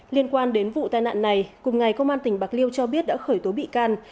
liên quan đến vụ tai nạn này cùng ngày công an tỉnh bạc liêu cho biết đã khởi tố bị can